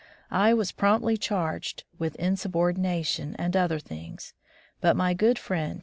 I was promptly charged with "insubordina tion and other things, but my good friend.